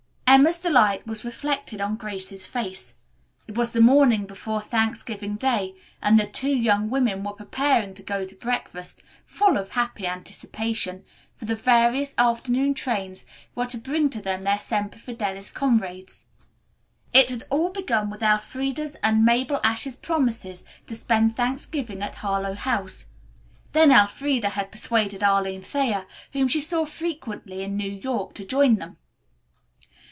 Emma's delight was reflected on Grace's face. It was the morning before Thanksgiving Day and the two young women were preparing to go to breakfast, full of happy anticipation, for the various afternoon trains were to bring to them their Semper Fidelis comrades. It had all begun with Elfreda's and Mabel Ashe's promises to spend Thanksgiving at Harlowe House. Then Elfreda had persuaded Arline Thayer, whom she saw frequently in New York, to join them.